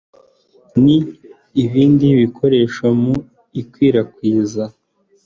n ibindi bikoreshwa mu ikwirakwiza